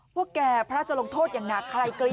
พวกแกพระราชลงโทษอย่างหนาคลายกรี๊ด